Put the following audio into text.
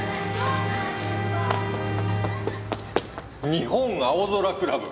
日本青空クラブ？